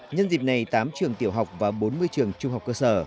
nhân dịp này tám trường tiểu học và bốn mươi trường trung học cơ sở